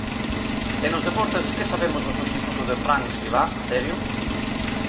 E nos deportes, que sabemos do substituto de Fran Escribá, Terio?